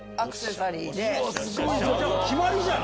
決まりじゃん！